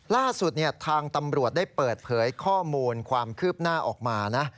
ล่าสุดทางตำรวจได้เปิดเผยข้อมูลความคืบหน้าออกมานะ